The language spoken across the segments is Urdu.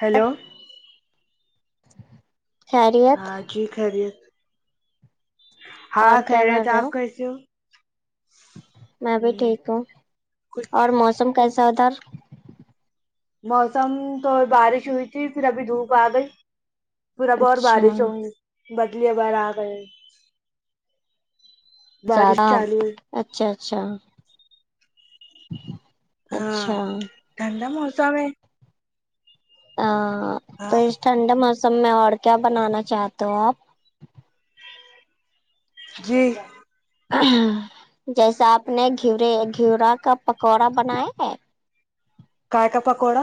ہلو خیریت ہاں خیریت ہاں اور کیا خیریت کر رہے آپ کیسی ہو میں بھی ہوں ٹھیک ہوں کچھ اور موسم کیسا ادھر موسم م تو بارش ہوئی تھی پھر ابھی دھوپ آ گئی پھر اب اور اچھا بارش ہونگی بدلیے ابر آ گئے بارش زیادہ چالو ہے اچھا اچھا اچھا ٹھڈا موسم ہے ہاں تو ہاں اس ٹھنڈے موسم میں اور کیا بنانا چاہتے ہو آپ جی جیسا آپ نے گھیورے گھیورا کا پکوڑا بنانے ہیں کاے ا ے کا پکوڑا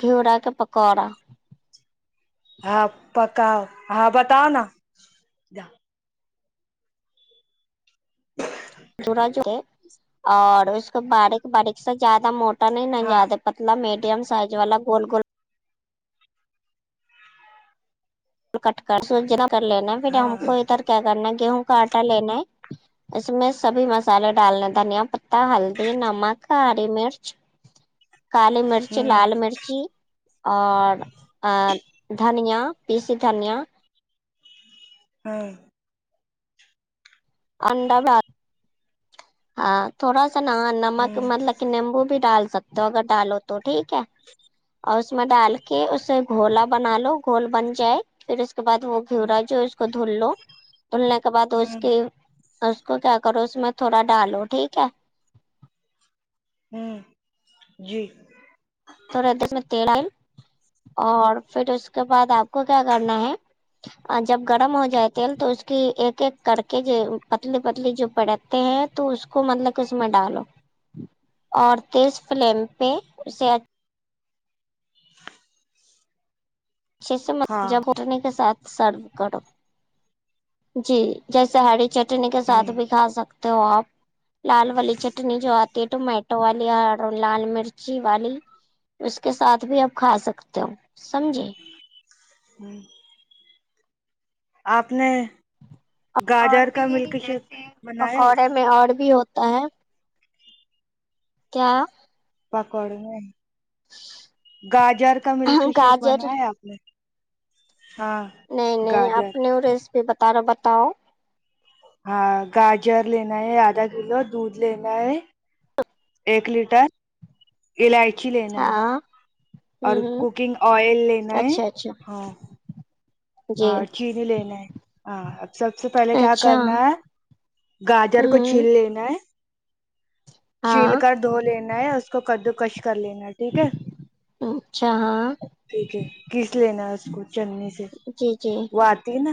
گھیورا کے پکوڑا ہاں پکاؤ ہاں بتاؤ نا ج جڑا جے اور اس کو باڈیک باڈیک سے زیادہ موٹا نہیں ن ہاں یادہ پتلا میڈیم سائز والا گول گول کٹ کر سو ج کر لینا ہے پھر ہاں ہم کو ادھر کیا کرنا ہے گیہوں کا آٹا لینا ہے اس میں سبھی مسالے ڈالنے دھنیا پتتا ہلدی نمک ہری مرچ کالی مرچی ہوں لال مرچی اور آ دھنیا پیسیی دھنیا [unintelligible] انڈا بھ ہاں تھوڑا ا نا نمک ہوں مطلب کہ نیمبو بھی ڈال سکتے ہو اگر ڈالو تو ٹھیک ہے اور اس میں ڈال کے اسے گھولا بنا لو گھول بن جائے پھر اس کے بعد وہ گھیورا جو اس کو دھل لو دھلنے کے بعد اس ہوں کے اس کو کیا کرو اس میں تھوڑا ڈالو ٹھیک ہے ہمم جی تھورا دس میں تیل اور پھر اس کے بعد آپ کو کیا کرنا ہے اور جب گڈم ہو جائے تیل تو اس کی ایک ایک کڈ کے جو پتلی پتلی جو پاڈپ ہیں تو اس کو مطلب کہ اس میں ڈالو اور تیس فلیم پے اسے ا چھے سے ہاں جپٹنے کے ساتھ سرو کرو جی جیسے ہڈی چٹنی کے ہوں ساتھ بھی کھا سکتے ہو آپ لال والی چٹنی جو آتی ہے ٹومیٹو والی اور لال مرچی والی اس کے ساتھ بھی آپ کھا سکتے ہو سمجھے ہمم آپ نے اور گاجر کا بھی ملک شیک جیسے بنایا ہے پکوڑے میں اور بھی ہوتا ہے کیا پکوڑے میں گاجر کا ملک شیک گاجر بنایا آپ نے ہاں نہیں نہیں گاجر آپ نے وہ ریسیپی بتا رے ہو بتاؤ ہاں گاجر لینا ہے آدھا کلو دودھ لینا ہے ایک لیٹر الائچی لینا ہے ہاں اور ہوں ہوں کوکنگ آئل لینا ہے اچھا اچھا ہاں جی ہاں چینی لینا ہے ہاں اب سب سے پہلے کیا اچھا کرنا ہے گاجر کو چھیل ہوں لینا ہے چھیل ہاں کر دھو لینا ہے اس کو کدو کش کر لینا ٹھیک ہے اچھا ہاں ٹھیک ہے گھس لینا ہے اس کو چننی سے جی جی پاتی ہے نا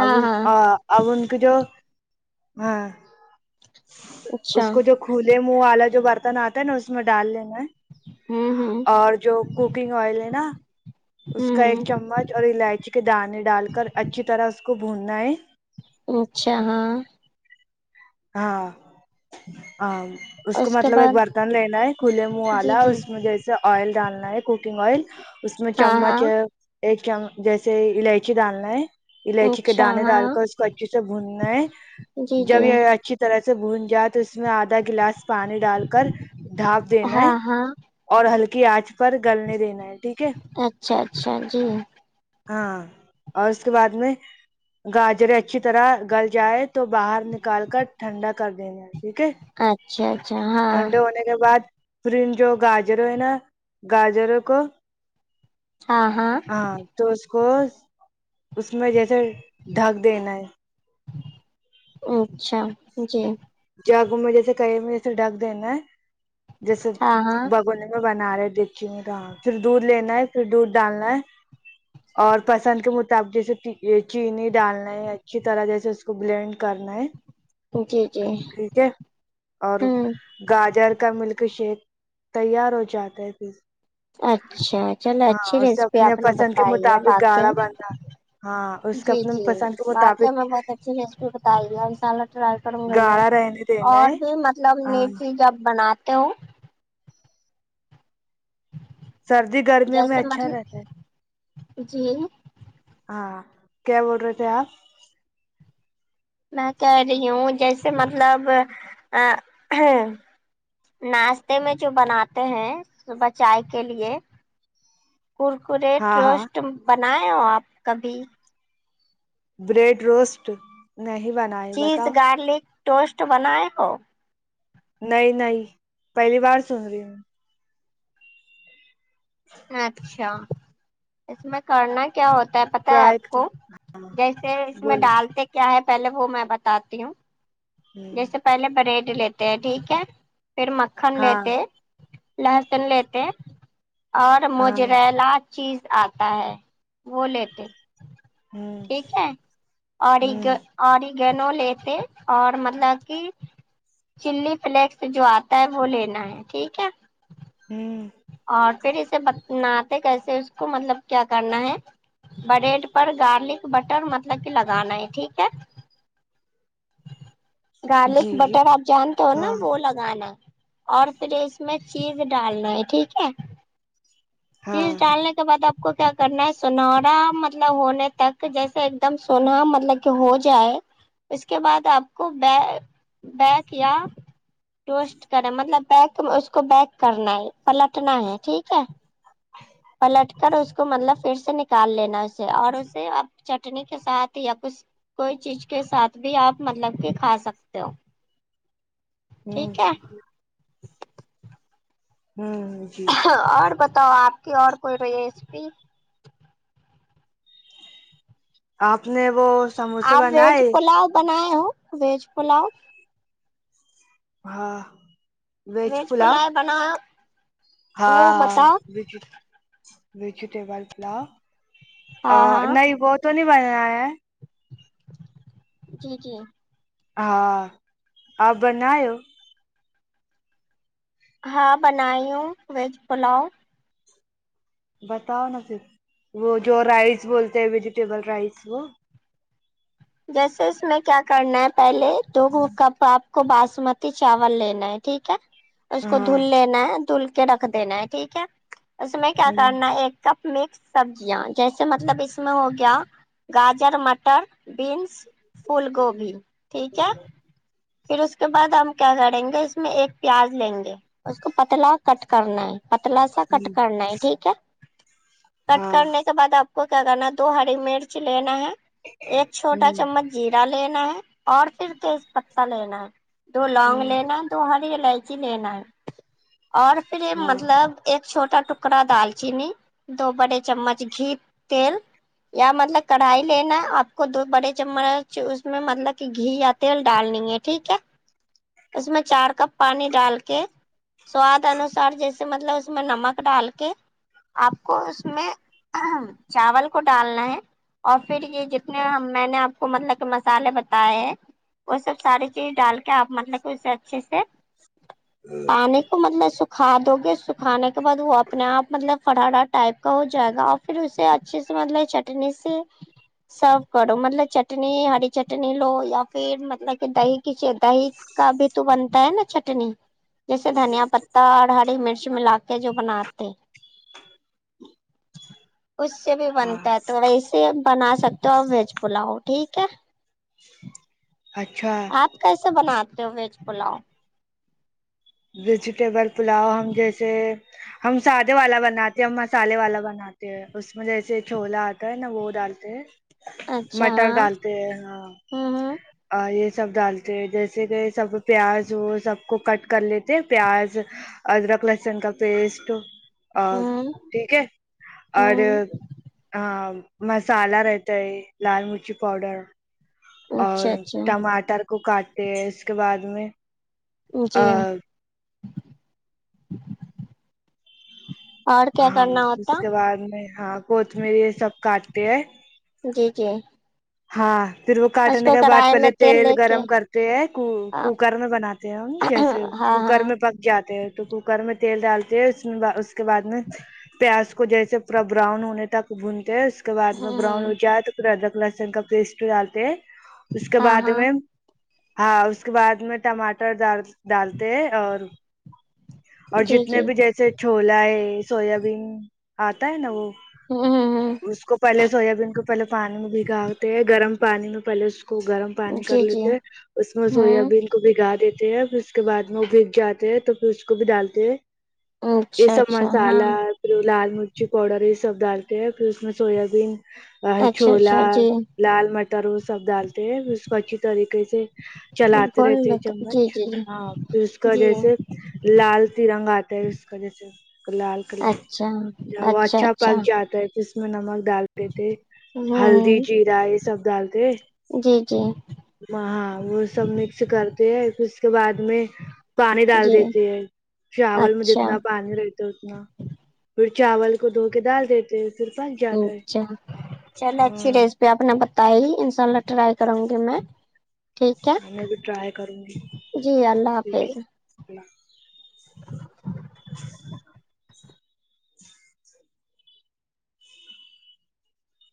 ہاں ابھی ہاں آ اب ان کی جو ہاں اچھا اس کو جو کھولے منہ والا جو برتن آتا ہے نا اس میں ڈال لینا ہوں ہوں اور جو کوکنگ آئل ہے نا اس کا ایک ہوں چمچ اور الائچی چی کے دانے ڈال کر اچھی طرح اس کو بھوننا ہے اچھا ہاں ہاں ہاں اس کو کے مطلب ایک بعد برتن لینا ہے کھلے منہ جی والا جی اس میں جیسے سے آئل ڈالنا ہے کوکنگ آئل اس میں ہاں چمچ ہاں ایک چم جیسے الائچی ڈالنا ہے الائچی کے اچھا دانے ہاں ڈال کر اس کو اچھے سے بھوننا ہے جی جی جب یے اچھی طرح سے بھون جات تو اس میں آدھا گلاس پانی ڈال کر ڈھاپ دینا ہے ہاں ہاں اور ہلکی آنچ پر گلنے دینا ہے ٹھیک ہے اچھا اچھا جی ہاں اور اس کے بعد میں گاجر اچھی طرح گل جائے تو باہر نکال کر ٹھنڈا کر دینگے ٹھیک ہے اچھا اچھا ہاں اس کے بعد پھر جو گاجروں ہے نا گاجروں کو ہاں تو اس کو اس میں جیسے ڈھک دینا ہے اچھا جی جگوں میں جیسے کہئی ہم ویسے ڈھک دینا ہے جیسے ہاں ہاں بگونے میں میں بنا رہے دیخچی تو پھر دودھ لینا ہے پھر دودھ ڈالنا ہے اور پسند کے مطابق جیسے چی چینی ڈالنا ہے اچھی طرح جیسے اس کو بلینڈ کرنا ہے جی جی ٹھیک ہے اور ہوں گاجر کا ملک شیک تیار ہو جاتا ہے پھر اچھا چلو اچھی ہاں اسے ریسیپی اپنے آپ نے پسند کے بتائی ہے مطابق باقی گاڑھا بننا ہاں اس کا جی اپنے جی پسند کے واقع مطابق میں بہت اچھی ریسیپی بتائے ہے انشاء اللہ تعالی گرام کرنا گاڑھا ہے رہنے دینا ہے اور پھر مطلب ہاں میتھی جب بناتے ہو سردی گرمیوں میں جیسے اچھا مطلب رہتا ہے جی ہاں کیا بول رہے تھے آپ میں کہہ رہی ہوں جیسے مطلب ناشتے میں جو بناتے ہیں صبح چائے کے لیے کرکرے ہاں ہاں ٹروسٹ بنائے ہو آپ کبھی بریڈ روسٹ نہیں بنایا چیز گارلک ٹوسٹ بنائے ہو نہیں نہیں پہلی بار سن رہی ہوں اچھا اس میں کرنا کیا ہوتا ہے پتہ ہے ٹرائی آپ کو ہاں جیسے اس میں بولو ڈالتے کیا ہے پہلے وہ میں بتاتی ہوں ہوں جیسے پہلے بریڈ لیتے ہیں ٹھیک ہے پھر مکھن ہاں لیتے لہسن لیتے ہے اور ہاں موزریلا چیز آتا ہے وہ لیتے ہوں ٹھیک ہے اور ایک ہوں اوریگانو لیتے اور مطلب کہ چللی فلیکس جو آتا ہے وہ لینا ہے ٹھیک ہے ہوں اور پھر اسے بتناتے کیسے ہے اس کو مطلب کیا کرنا ہے بریڈ پر گارلک بٹر مطلب کہ لگانا ہے ٹھیک ہے گارلک جی جی بٹر آپ جانتے ہو نا ہاں وہ لگ گانا اور پھر اس میں چیز ڈالنا ہے ٹھیک ہے چیز ہاں ڈالنے بعد آپ کو کیا کرنا ہے سنہرا مطلب ہونے تک جیسے ایک دم سونا مطلب ہو جائے اس کے بعد آپ کو ب بیک یا ٹوسٹ کریں مطلب بیک میں اس کو بیک کرنا ہے پلٹنا ہے ٹھیک ہے پلٹ کر اس کو مطلب پھر سے نکال لینا اسے اور اسے ا چٹنی کے ساتھ یا کچھ کوئی چیز کے ساتھ بھی آپ مطلب کہ کھا سکتے ہو ہوں ٹھیک ہے ہوں جی اور بتاؤ آپ کی اور کوئی ریسپی آپ نے وہ سموسے آپ ویج بنائے پلاؤ بنائے ہو ویج پلاؤ ہاں ویج پلائے بنایا ہاں ہاں وجی ویجیٹیبل پلاؤ آ ہاں ہاں نہیں وہ تو نہیں بنایا ہے جی جی ہاں آپ بنائے ہو ہاں بنائی ہو ویج پلاؤ بتاؤ نا پھر وہ جو رائس بولتے ہیں ویجیٹیبل رائس وہ جیسے اس میں کیا کرنا ہے پہلے تو کب آپ کو باسمتی چاول لینا ہے ٹھیک ہے اس کو ہاں دھل لینا ہے دھل رکھ دینا ہے ٹھیک ہے اس میں کیا ہاں کرنا ایک ک مکس سبزیاں جیسے مطلب اس میں ہو گیا گاجر مٹر بینس فل گوبھی ٹھیک ہے پھر اس کے بعد ہم کیا کریں گے اس میں ایک پیاز لیں گے اس کو پتلا کٹ کرنا ہے پتلا سا کٹ کرنا ہے ٹھیک ہے کٹ ہاں کرنے کے بعد آپ آپ کو کیا کرنا ہے دو ہری مرچ لینا ہے ایک چھوٹا ہوں چمچ جیرا لینا ہے اور پھر تیز پتہ لینا ہے دو لونگ ہوں لینا ہے دو ہری الائچی لینا ہے اور پھر ہاں مطلب ایک چھوٹا ٹکڑا دال چینی دو بڑے چمچ گھی تیل یا مطلب کڑھائی لینا کو دو بڑے چمچ اس میں مطلب کی گھی یا تیل ڈالنی ہے ٹھیک ہے اس میں چار کپ پانی ڈال کے سواد انوسار جیسے مطلب اس میں نمک ڈال کے آپ کو اس میں چاول کو ڈالنا ہے اور پھر یے جیتنے نے میں نے آپ کو مطلب کہ مسالے بتائے ہیں وہ سب ساری چیز ڈال کے آپ مطلب کہ اسے اچھے سے پانی کو مطلب سکھا دو گے سکھانے کے بعد وہ اپنے آپ مطلب فرارا ٹائپ کا ہو جائے گا اور پھر اسے اچھے سے مطلب چٹنی سے سرو کرو مطلب چٹنی ہری چٹنی لو یا پھر مطلب کہ دہی کی چہ دہی کا بھی تو بنتا ہے نا چٹنی جیسے دھنیا پتا اور ہری مرچ ملا کے جو بناتے اس سے بھی ہاں بنتا ہے تو ویسے بنا سکتے ہو آ ویج پلاؤ ٹھیک ہے اچھا آپ کیسے بناتے ہو ویج پلاؤ ویجیٹیبل پلاؤ ہم جیسے ہم سادے والا بناتے ہم مسالے والا بناتے تے ہیں اس میں جیسے چھولا آتا ہے نا وہ ڈالتے ہیں اچھا مٹر ہاں ڈالتے ہیں ہاں ہمم ہمم اور یے سب ڈالتے جیسے کہ سب پیاز وہ سب کو کٹ کر لیتے پیاز ادرک لہسن کا پیسٹ ہوں ٹھیک ہے اور ہوں ہاں مسالہ رہتا ہے لال مرچی پاؤڈر اور اچھا اچھا ٹماٹر کو کاٹتے ہیں اس کے بعد میں جی ہاں اور کیا ہاں کرنا اس ہوتا کے بعد میں ہاں کوتمیر یے سب کاٹتے ہیں جی جی ہاں پھر وہ اس کاٹنے کو کے بعد کڑھائی میں پہلے تیل لے کے گرم کرتے ہے کو کوکر میں بناتے تے آپ جیسے ہاں کوکر ہاں میں پک جاتے ہے تو کوکر میں تیل ڈالتے ہے اس اس کے بعد میں پیاز کو جیسے پورا براؤن ہونے تک بھنتے ہیں اس کے بعد میں براؤن ہو ہوں جائے تو پھر ادرک لہسن کا پیسٹ ڈالتے ہے اس کے ہاں بعد ہاں میں ہاں اس کے بعد میں ٹماٹر ڈال ڈالتے ہے اور اور جی جتنے جی بھی جیسے چھولا ہے سویابین آتا ہے نا وہ ہوں اس کو پہلے سویابین کو پہلے پانی میں بھگاتے ہے گرم پانی میں پہلے اس کو گرم پانی کر جی جی لیتے اس میں ہوں سویابین کو بھگا دیتے ہیں پھر اس کے بعد میں وہ بگ جاتے ہیں تو پھر اس کو بھی ڈالتے ہیں یے اچھا سب اچھا ہاں مسالہ لال مرچی پاؤڈر یے سب ڈالتے ہیں پھر اس میں سویا بین اچھا چھولا اچھا جی لال مٹر وہ سب ڈالتے ہے اس کو اچھی طریقے سے چلاتے بھون رہتے ہے لیتے جی چمچ جی جی ہاں پھر اس کا جی جیسے لال ترنگ آتا ہے اس کا جیسے لال کلر اچھا جب وہ اچھا پک جاتا ہے جس اس میں نمک ڈالتے تھے ہلدی ہوں جیرا یے سب ڈالتے جی جی ہاں وہ سب مکس کرتے ہیں پھر اس کے بعد میں پانی ڈال جی دیتی ہے چاول میں اچھا جتنا پانی رہت تے اتنا پھر چاول کو دھو کے دال دیتے پھر پک جاتا ہے اچھا چلو اچھی ہاں ریس جو آپ نے بتائی ان شاء اللہ ٹرائی کروں گی میں ٹھیک ہے میں بھی ٹرائی جی اللہ حافظ اللہ